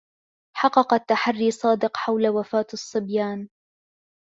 حقّق التحرّي صادق حول وفاة الصّبيان.